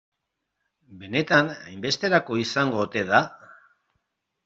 Benetan hainbesterako izango ote da?